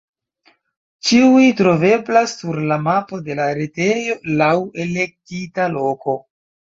Ĉiuj troveblas sur la mapo de la retejo laŭ elektita loko.